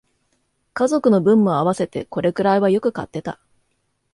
家族の分も合わせてこれくらいはよく買ってた